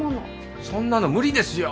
そんなの無理ですよ。